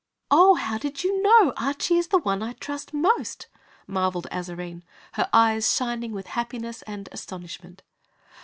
"Oh, how did you know Archy is the one I trust most?" marveled Azarine, her eyes shining with happiness and astonishment.